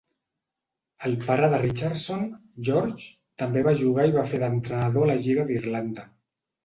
El pare de Richardson, George, també va jugar i va fer d'entrenador a la Lliga d'Irlanda.